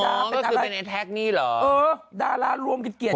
กูคิดมั้งถ้าเธออยู่ในแทใจนี้หรอดาราร่วมเกลียด